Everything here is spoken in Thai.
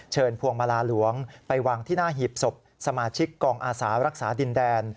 พวงมาลาหลวงไปวางที่หน้าหีบศพสมาชิกกองอาสารักษาดินแดน